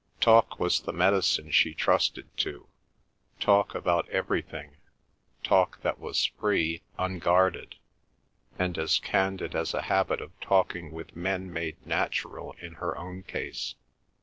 Talk was the medicine she trusted to, talk about everything, talk that was free, unguarded, and as candid as a habit of talking with men made natural in her own case.